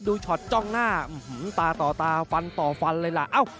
ช็อตจ้องหน้าตาต่อตาฟันต่อฟันเลยล่ะ